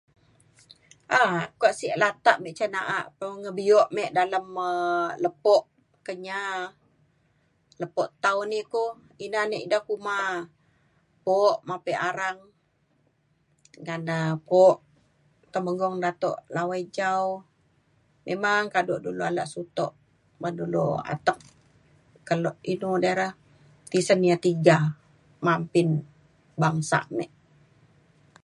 um kua sie latak me ca na'a pengebio me dalem um lepo Kenyah lepo tau ini ko ina na dek ina kuma po Maping Arang ngan um po Temenggong Dato' Lawai Jau memang kado dulu alak sutok ban dulu atek kelo inu dai re tisen ia' tiga mampin bangsa me